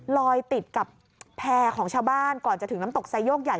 ลอยติดกับแพร่ของชาวบ้านก่อนจะถึงน้ำตกไซโยกใหญ่